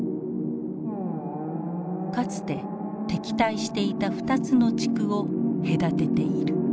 かつて敵対していた２つの地区を隔てている。